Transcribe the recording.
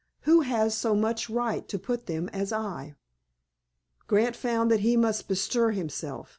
Who has so much right to put them as I?" Grant found that he must bestir himself.